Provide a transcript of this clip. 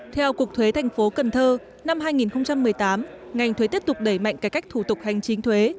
theo cục thuế thành phố cần thơ năm hai nghìn một mươi tám ngành thuế tiếp tục đẩy mạnh cải cách thủ tục hành chính thuế